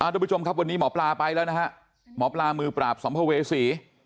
ทุกผู้ชมครับวันนี้หมอปลาไปแล้วนะฮะหมอปลามือปราบสัมภเวษี